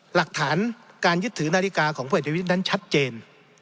หลักฐานการยึดถือนาฬิกาของพลเอกประวิทย์นั้นชัดเจน